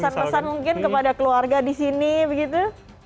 pesan pesan mungkin kepada keluarga di sini begitu